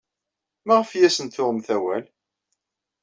Maɣef ay asen-tuɣemt awal?